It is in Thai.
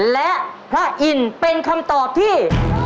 และพระอินทร์เป็นคำตอบที่